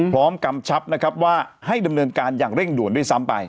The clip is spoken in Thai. พร้อมกำชับว่าให้ดำเนินการอย่างเร่งด่วนที่ซ้ำไป